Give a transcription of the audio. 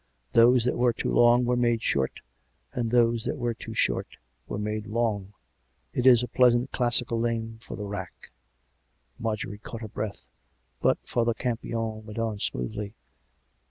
Those that were too long were made short; and those that were too short were made long. It is a pleasant classical name for the rack." Marjorie caught her breath. But Father Campion went on smoothly.